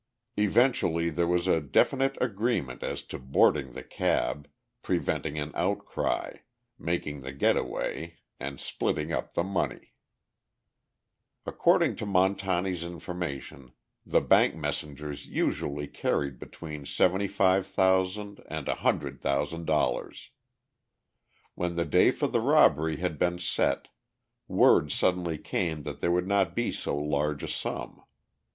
Eventually there was a definite agreement as to boarding the cab, preventing an outcry, making the getaway and splitting up the money. According to Montani's information, the bank messengers usually carried between $75,000 and $100,000. When the day for the robbery had been set, word suddenly came that there would not be so large a sum.